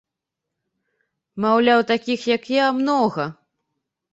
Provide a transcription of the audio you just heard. Маўляў, такіх, як я, многа.